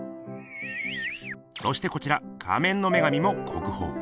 そしてこちら「仮面の女神」も国宝。